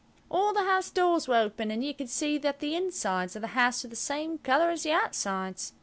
All the house doors were open, and you could see that the insides of the houses were the same colour as the outsides.